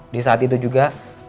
di saat itu juga